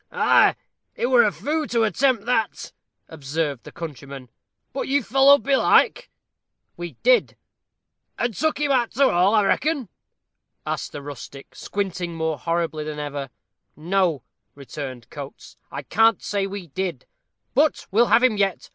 "Ah, he were a foo' to attempt that," observed the countryman; "but you followed belike?" "We did." "And took him arter all, I reckon?" asked the rustic, squinting more horribly than ever. "No," returned Coates, "I can't say we did; but we'll have him yet.